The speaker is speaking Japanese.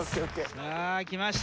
さあきました！